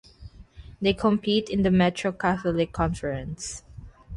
They compete in the Metro Catholic Conference.